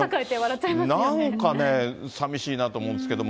なんかね、さみしいなと思うんですけど。